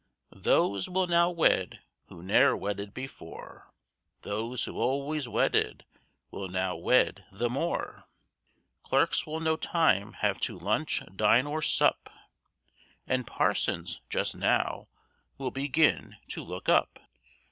"Those will now wed who ne'er wedded before Those who always wedded will now wed the more;" Clerks will no time have to lunch, dine, or sup, And parsons just now will begin to look up!